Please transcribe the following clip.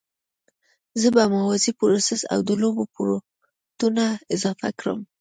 زه به موازي پروسس او د لوبو پورټونه اضافه کړم